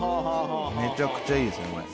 めちゃくちゃいいですねこれ。